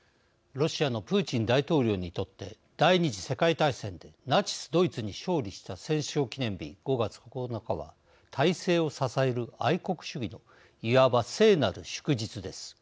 ロシアのプーチン大統領にとって第二次世界大戦でナチスドイツに勝利した戦勝記念日５月９日は体制を支える愛国主義のいわば聖なる祝日です。